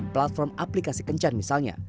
platform aplikasi kencan misalnya